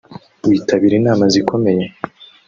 witabira inama zikomeye